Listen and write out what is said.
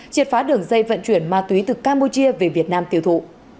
triệt phá đường dây vận chuyển ma túy từ campuchia về việt nam tiêu thụ